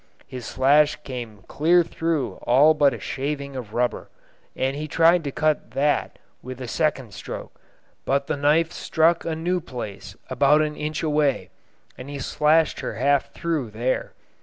His slash came clear through all but a shaving of rubber, and he tried to cut that with a second stroke; but the knife struck a new place about an inch away, and he slashed her half through there.